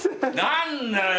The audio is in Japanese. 何だよ。